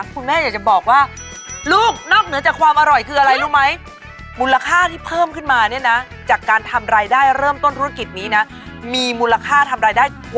คุณผู้ชมพักสักครู่นะคะ